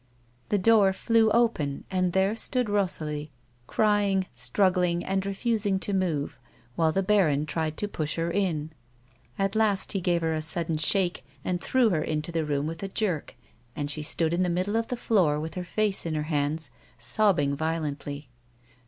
The door flew open and there stood Rosalie, crying struggling, and refusing to move, while the baron tried to push her in. At last he gave her a sudden shake, and threw her into the room with a jerk, and she stood in the middle of the floor, with her face in her Lauds, sobbing violently.